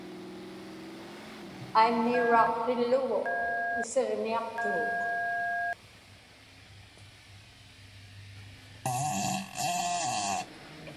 Aimmiuraaqtillugu isiġniaqtuguk.